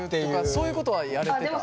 そういうことはやれてた？